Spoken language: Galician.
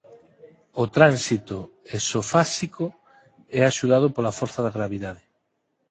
O tránsito esofáxico é axudado pola forza de gravidade.